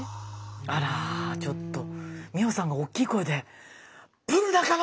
あらちょっと美穂さんがおっきい声で「ブル中野！」。